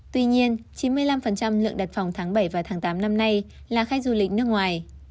tuy nhiên chín mươi năm lượng đặt phòng tháng bảy và tháng tám năm nay là khách du lịch nước ngoài